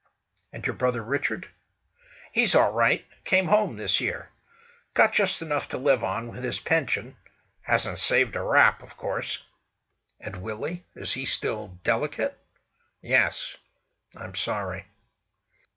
"And your brother Richard?" "He's all right. Came home this year. Got just enough to live on, with his pension—hasn't saved a rap, of course." "And Willie? Is he still delicate?" "Yes." "I'm sorry."